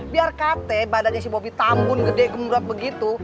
biar kate badannya si bobi tambun gede gembrot begitu